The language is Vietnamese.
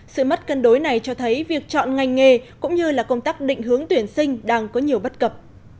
sự mất cân đối này cho thấy việc chọn ngành nghề cũng như là công tác định hướng tuyển sinh đang có nhiều bất cập